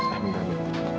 eh bentar dulu